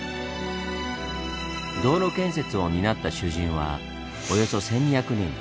道路建設を担った囚人はおよそ１２００人。